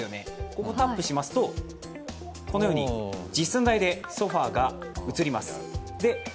ここタップしますとこのように実寸大でソファーが映ります。